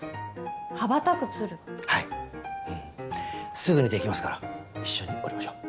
すぐにできますから一緒に折りましょう。